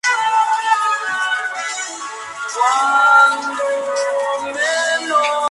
De hecho, el código permite al atacante secuestrar la cuenta de la víctima.